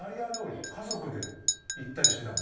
家族で行ったりしてたの？